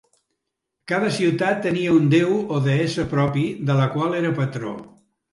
Cada ciutat tenia un déu o deessa propi, de la qual era patró.